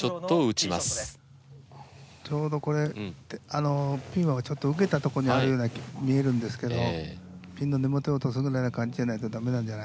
ちょうどこれピンをちょっと受けたとこにあるように見えるんですけどピンの根本落とすぐらいの感じじゃないとだめなんじゃない？